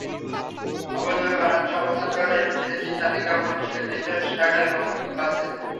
অবৈধভাবে বাংলাদেশে অবস্থান করা এসব বিদেশির তালিকা পুলিশের বিশেষ শাখায় সংরক্ষিত আছে।